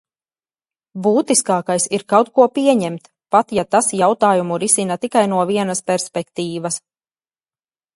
Būtiskākais ir kaut ko pieņemt, pat ja tas jautājumu risina tikai no vienas perspektīvas.